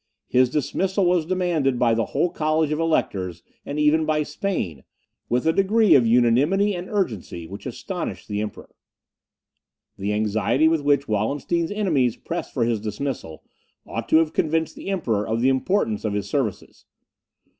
His dismissal was demanded by the whole college of electors, and even by Spain, with a degree of unanimity and urgency which astonished the Emperor. The anxiety with which Wallenstein's enemies pressed for his dismissal, ought to have convinced the Emperor of the importance of his services.